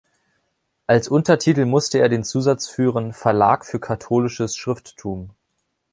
Als Untertitel musste er den Zusatz führen: „Verlag für katholisches Schrifttum“.